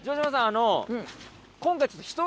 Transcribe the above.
あの。